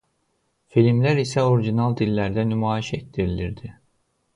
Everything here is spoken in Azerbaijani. Filmlər isə original dillərində nümayiş etdirilirdi.